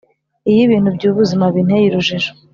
iyo ibintu byubuzima binteye urujijo,